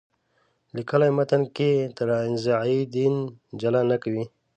لیکلي متن کې انتزاعي دین جلا نه کوي.